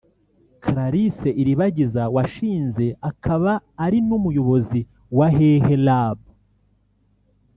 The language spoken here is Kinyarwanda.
Clarisse Iribagiza washinze akaba ari n’umuyobozi wa HeHe Labs